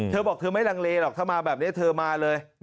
เธอบอกเธอไม่ลังเลหรอกถ้ามาแบบนี้เธอมาเลย